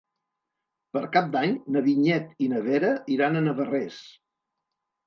Per Cap d'Any na Vinyet i na Vera iran a Navarrés.